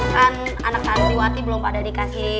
kan anak nanti waktu ini belum pada dikasih